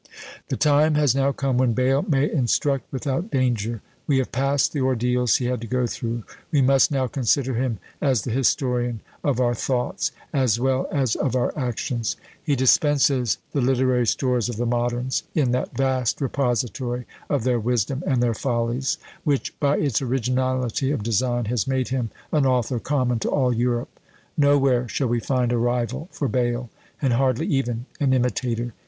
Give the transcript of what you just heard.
The time has now come when Bayle may instruct without danger. We have passed the ordeals he had to go through; we must now consider him as the historian of our thoughts as well as of our actions; he dispenses the literary stores of the moderns, in that vast repository of their wisdom and their follies, which, by its originality of design, has made him an author common to all Europe. Nowhere shall we find a rival for Bayle! and hardly even an imitator!